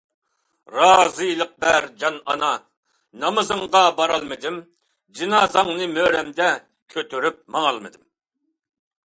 رازىلىق بەر جان ئانا نامىزىڭغا بارالمىدىم، جىنازاڭنى مۈرەمدە كۆتۈرۈپ ماڭالمىدىم.